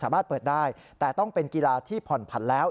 เปิดได้แต่ต้องเป็นกีฬาที่ผ่อนผันแล้ว